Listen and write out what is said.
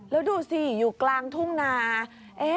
แล้วดูสิอยู่กลางทุ่งนา